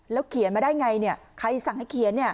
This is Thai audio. แล้วเขียนมาได้ไงเนี้ยใครสั่งให้เขียนเนี้ย